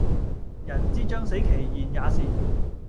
人之將死其言也善